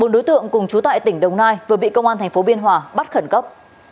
bốn đối tượng cùng chú tại tỉnh đồng nai vừa bị công an tp biên hòa bắt khẩn cấp